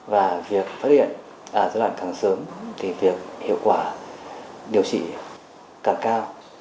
và việc phát hiện ở giai đoạn càng sớm thì việc hiệu quả điều trị càng cao